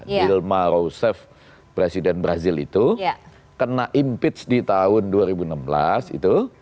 bilma rosef presiden brazil itu kena impeach di tahun dua ribu enam belas itu